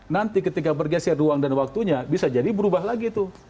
nanti ketika bergeser ruang dan waktunya bisa jadi berubah lagi tuh